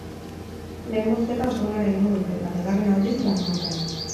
Lehen bozketa ostegunean egingo dute, eta bigarrena, aldiz, larunbatean.